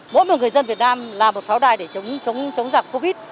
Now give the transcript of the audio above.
mỗi một người dân việt nam là một pháo đài để chống chống dạng covid